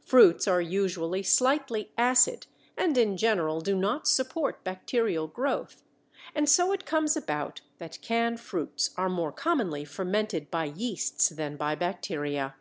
Fruits are usually slightly acid and in general do not support bacterial growth, and so it comes about that canned fruits are more commonly fermented by yeasts than by bacteria.